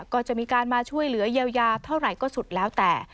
ก็จะมีการมาช่วยเหลือเยียวยาเท่าไหร่ก็สุดแล้วแต่